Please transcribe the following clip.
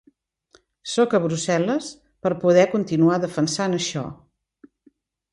Sóc a Brussel·les per a poder continuar defensant això.